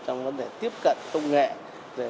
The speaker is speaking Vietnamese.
trong vấn đề tiếp cận công nghệ